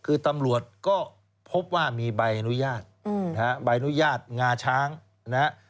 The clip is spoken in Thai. คือตำรวจก็พบว่ามีใบอนุญาตนะฮะใบอนุญาตงาช้างนะฮะ